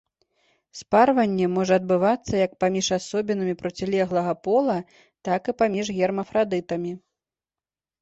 Спарванне можа адбывацца як паміж асобінамі процілеглага пола, так і паміж гермафрадытамі.